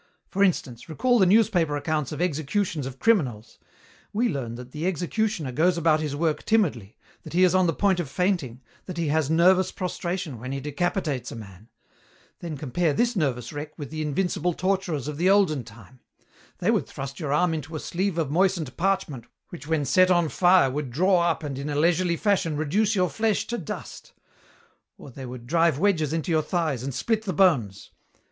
For instance, recall the newspaper accounts of executions of criminals. We learn that the executioner goes about his work timidly, that he is on the point of fainting, that he has nervous prostration when he decapitates a man. Then compare this nervous wreck with the invincible torturers of the olden time. They would thrust your arm into a sleeve of moistened parchment which when set on fire would draw up and in a leisurely fashion reduce your flesh to dust. Or they would drive wedges into your thighs and split the bones.